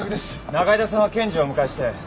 仲井戸さんは検事をお迎えして。